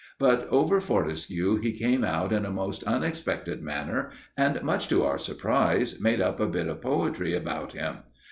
But over Fortescue he came out in a most unexpected manner, and much to our surprise, made up a bit of poetry about him!